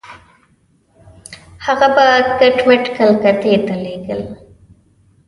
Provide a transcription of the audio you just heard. هغه به کټ مټ کلکتې ته لېږل.